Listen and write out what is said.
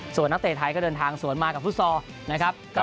ส่วนนักเตะไทยก็เดินทางสวนมากับฟุตซอลนะครับ